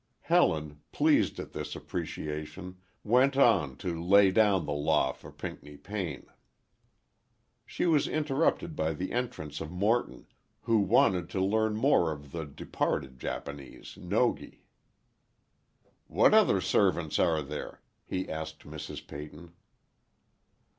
Helen, pleased at this appreciation went on to lay down the law for Pinckney Payne. She was interrupted by the entrance of Morton who wanted to learn more of the departed Japanese, Nogi. "What other servants are there?" he asked Mrs. Peyton.